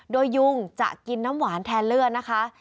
โดยยุงจะกินน้ำหวานแทนเลือดนะคะ